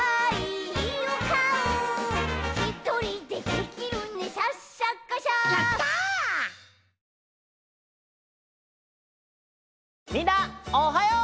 みんなおはよう！